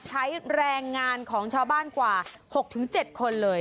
ใช้แรงงานของชาวบ้านกว่า๖๗คนเลย